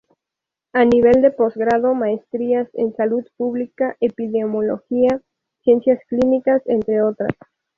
A nivel de postgrado Maestrías en Salud Pública, Epidemiología, Ciencias Clínicas, entre otras.